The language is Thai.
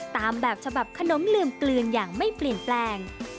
ตามแบบฉบับขนมลืมกลืนอย่างไม่เปลี่ยนแปลง